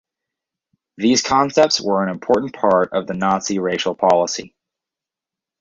These concepts were an important part of the Nazi racial policy.